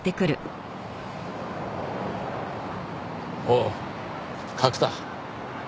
おう角田。